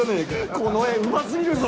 この絵うま過ぎるぞ！